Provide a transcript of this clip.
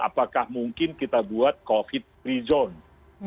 apakah mungkin kita buat covid free zone